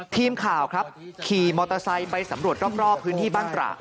ทีมข่าวครับขี่มอเตอร์ไซค์ไปสำรวจรอบพื้นที่บ้านตระ